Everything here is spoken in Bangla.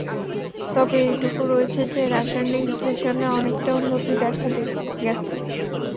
তবে এইটুকু রয়েছে যে, রাসায়নিক বিশ্লেষণে অনেকটা উন্নতি দেখা গেছে।